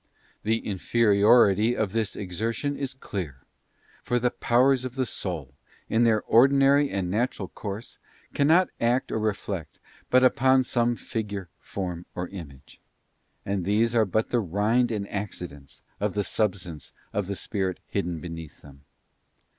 The inferiority of this exertion is clear, for the powers of the soul, in their ordinary and natural course, cannot act or reflect but upon some figure, form, or image; and these are but the rind and accidents of the substance and of the Spirit hidden beneath them.